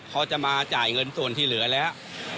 เขาจะมาจ่ายเงินส่วนที่เหลือแล้ว